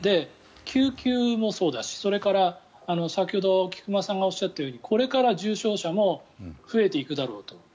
救急もそうだしそれから、先ほど菊間さんがおっしゃったようにこれから重症者も増えていくだろうと。